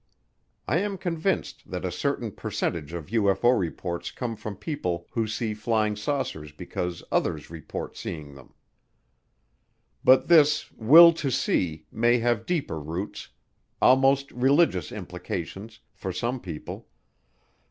I am convinced that a certain percentage of UFO reports come from people who see flying saucers because others report seeing them. But this "will to see" may have deeper roots, almost religious implications, for some people.